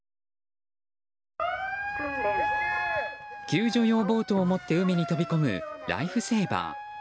救助用ボートを持って海に飛び込むライフセーバー。